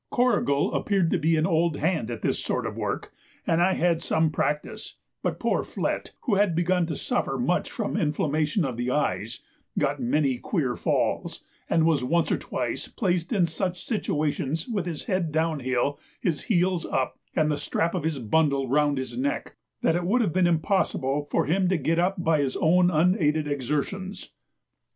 Corrigal appeared to be an old hand at this sort of work, and I had had some practice, but poor Flett, who had begun to suffer much from inflammation of the eyes, got many queer falls, and was once or twice placed in such situations with his head down hill, his heels up, and the strap of his bundle round his neck, that it would have been impossible for him to get up by his own unaided exertions.